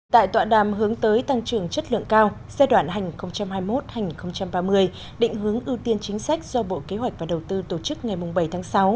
tại tọa đàm hướng tới tăng trưởng chất lượng cao giai đoạn hành hai mươi một hai nghìn ba mươi định hướng ưu tiên chính sách do bộ kế hoạch và đầu tư tổ chức ngày bảy tháng sáu